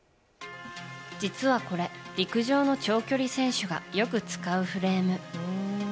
実はこれ、陸上の長距離選手がよく使うフレーム。